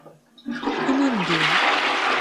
Ilindi.